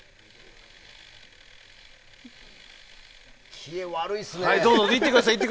消え、悪いですね。